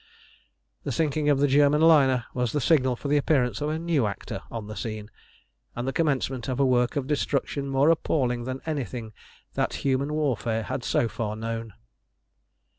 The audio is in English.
The sinking of the German liner was the signal for the appearance of a new actor on the scene, and the commencement of a work of destruction more appalling than anything that human warfare had so far known.